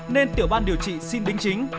nên tiểu ban điều trị xin đính chính